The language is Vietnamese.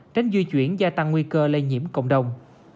tránh di chuyển gia tăng nguy cơ lây nhiễm cộng đồng